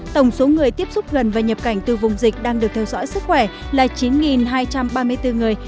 tổng số người tiếp xúc gần và nhập cảnh từ vùng dịch đang được theo dõi sức khỏe là chín hai trăm ba mươi bốn người